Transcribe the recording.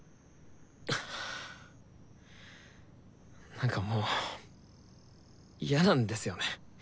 なんかもうやなんですよね！